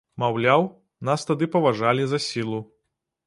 Маўляў, нас тады паважалі за сілу.